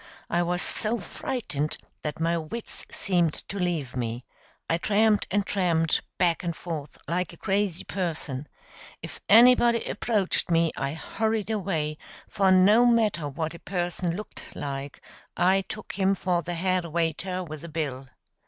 I was so frightened that my wits seemed to leave me. I tramped and tramped, back and forth, like a crazy person. If anybody approached me I hurried away, for no matter what a person looked like, I took him for the head waiter with the bill.